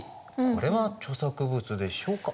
これは著作物でしょうか？